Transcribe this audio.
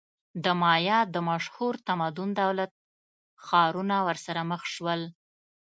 د مایا د مشهور تمدن دولت-ښارونه ورسره مخ شول.